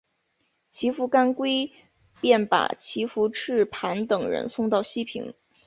乞伏干归便把乞伏炽磐等人送到西平。